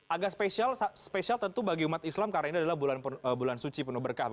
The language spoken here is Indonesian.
agak spesial spesial tentu bagi umat islam karena ini adalah bulan suci penuh berkah